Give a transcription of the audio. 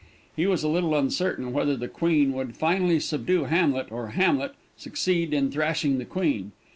He was a little uncertain whether the queen would finally subdue Hamlet, or Hamlet succeed in thrashing the queen.